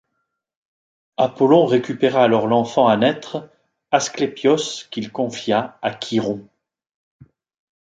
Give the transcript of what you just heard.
Apollon récupéra alors l'enfant à naître, Asclépios, qu'il confia à Chiron.